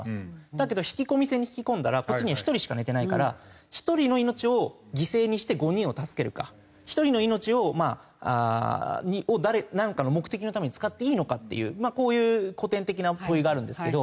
だけど引き込み線に引き込んだらこっちには１人しか寝てないから１人の命を犠牲にして５人を助けるか１人の命をまあなんかの目的のために使っていいのかっていうこういう古典的な問いがあるんですけど。